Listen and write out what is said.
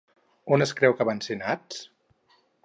On es creu que van ser nats?